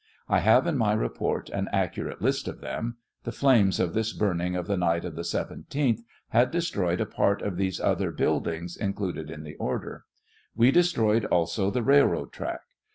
I have in my report an accurate list of them ; the flames of this burning of the night of the 17th had destroyed a part of these other buildings included in the order. We destroyed also the railroad track.